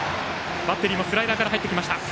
バッテリーもスライダーから入ってきました。